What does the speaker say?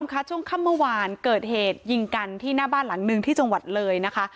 ค่ะช่วงค่ำเมื่อวานเกิดเหตุยิงกันที่หน้าบ้านหลังหนึ่งที่จังหวัดเลยนะคะ